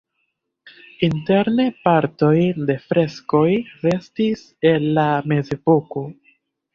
Interne partoj de freskoj restis el la mezepoko.